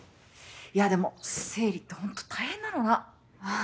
いやでも生理ってホント大変なのな。